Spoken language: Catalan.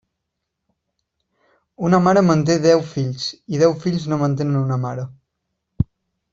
Una mare manté deu fills i deu fills no mantenen una mare.